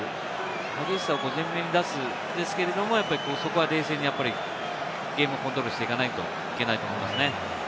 激しさを全面に出すんですけれども、そこは冷静にゲームをコントロールしていかないといけないですね。